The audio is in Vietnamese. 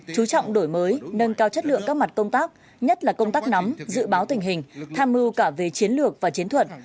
chú trọng đổi mới nâng cao chất lượng các mặt công tác nhất là công tác nắm dự báo tình hình tham mưu cả về chiến lược và chiến thuật